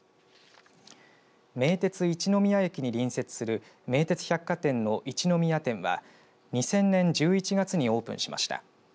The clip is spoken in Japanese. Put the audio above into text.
名鉄一宮駅に隣接する名鉄百貨店の一宮店は２０００年１１月にオープンしました。